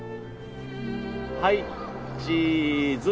はいチーズ。